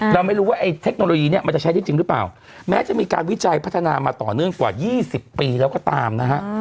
เราไม่รู้ว่าไอ้เทคโนโลยีเนี่ยมันจะใช้ได้จริงหรือเปล่าแม้จะมีการวิจัยพัฒนามาต่อเนื่องกว่า๒๐ปีแล้วก็ตามนะฮะ